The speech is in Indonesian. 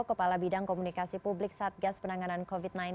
kepala bidang komunikasi publik satgas penanganan covid sembilan belas